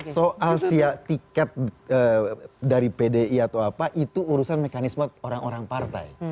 soal tiket dari pdi atau apa itu urusan mekanisme orang orang partai